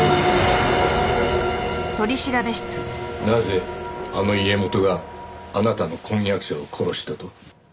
なぜあの家元があなたの婚約者を殺したと？